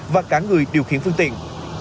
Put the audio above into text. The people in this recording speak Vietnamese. và cả người điều khiển phương tiện